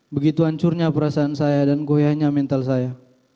begitu hancurnya perasaan saya dan goyahnya mental saya